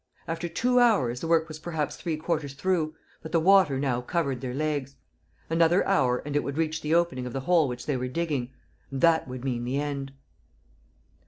After two hours, the work was perhaps three quarters through, but the water now covered their legs. Another hour and it would reach the opening of the hole which they were digging. And that would mean the end!